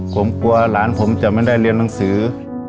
ผมกลัวหลานผมจะไม่ได้เรียนหนังสือ